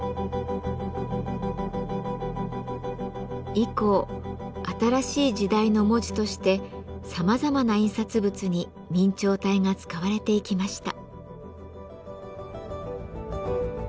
以降新しい時代の文字としてさまざまな印刷物に明朝体が使われていきました。